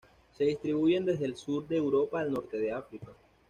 Se distribuyen desde el sur de Europa al norte de África.